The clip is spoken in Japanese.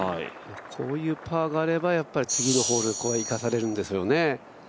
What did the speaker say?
こういうパーがあれば次のホール、これが生かされるんですよね。